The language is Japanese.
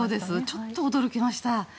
ちょっと驚きました。